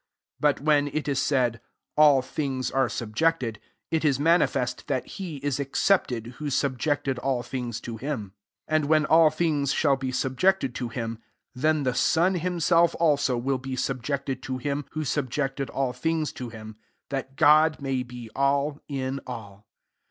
But when it is said, <«A11 things are subjected,'' it fa ma nifest that He is excepted, who subjected all things to him. 28 And when all things shall be subjected to him, then the Son himself, alsoi will be subjected to Him who subjected all things io him, that God may be all in all.)